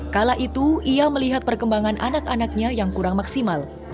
kala itu ia melihat perkembangan anak anaknya yang kurang maksimal